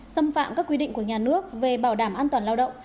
xâm phạm các quy định của nhà nước về bảo đảm an toàn lao động